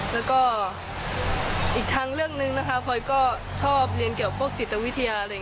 แล้วก็อีกทางเรื่องหนึ่งนะคะพลอยก็ชอบเรียนเกี่ยวพวกจิตวิทยา